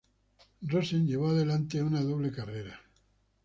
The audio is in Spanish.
Rosen llevó adelante una doble carrera.